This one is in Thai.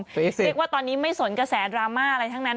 เรียกว่าตอนนี้ไม่สนกระแสดราม่าอะไรทั้งนั้น